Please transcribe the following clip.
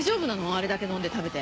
あれだけ飲んで食べて。